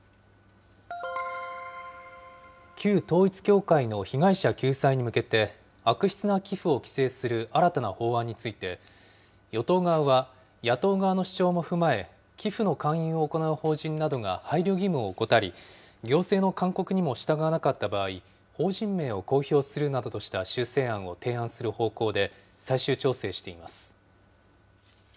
旧統一教会の被害者救済に向けて、悪質な寄付を規制する新たな法案について、与党側は野党側の主張も踏まえ、寄付の勧誘を行う法人などが配慮義務を怠り、行政の勧告にも従わなかった場合、法人名を公表するなどとした修正案を提案する方向で、最終調整しています。